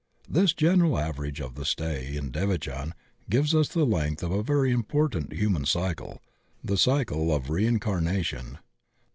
This general average of the stay in devachan gives us the length of a very important human cycle, the Cycle of Reincarnation.